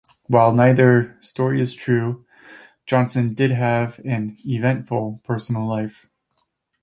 While neither story is true, Johnson did have an 'eventful' personal life.